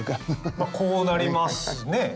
まぁこうなりますね。